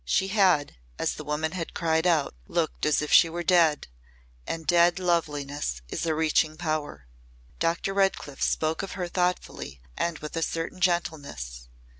She had, as the woman had cried out, looked as if she were dead, and dead loveliness is a reaching power. Dr. Redcliff spoke of her thoughtfully and with a certain gentleness.